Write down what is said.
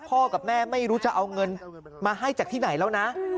กับแม่ไม่รู้จะเอาเงินมาให้จากที่ไหนแล้วนะ